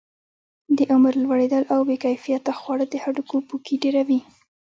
د عمر لوړېدل او بې کیفیته خواړه د هډوکو پوکي ډیروي.